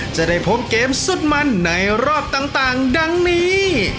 จะได้พบเกมสุดมันในรอบต่างดังนี้